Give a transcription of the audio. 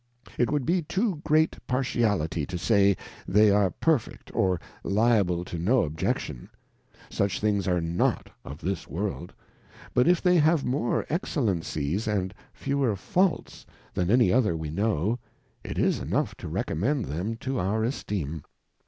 It would be too great Partiality to say they are perfect or liable to no Objection; such things are not of JJiia eWorld; but if they have more Excellencies and fewer Faults than any other we know, it is enough to recommend them to our Esteem.